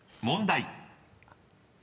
［問題］